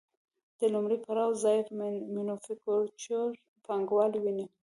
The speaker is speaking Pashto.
د لومړي پړاو ځای مینوفکچور پانګوالي ونیو